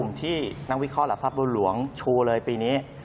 กลุ่มที่นักวิเคราะห์หลับภาพรุ่นหลวงชูเลยปีนี้